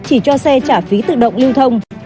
chỉ cho xe trả phí tự động lưu thông